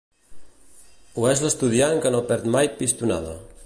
Ho és l'estudiant que no perd mai pistonada.